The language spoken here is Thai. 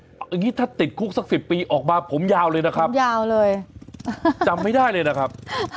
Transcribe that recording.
อย่างนี้ถ้าติดคุกสัก๑๐ปีออกมาผมยาวเลยนะครับผมยาวเลยจำไม่ได้เลยนะครับ